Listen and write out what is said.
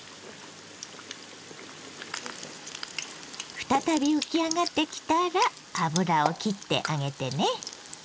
再び浮き上がってきたら油をきってあげてね。